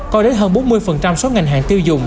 coi đến hơn bốn mươi số ngành hàng tiêu dùng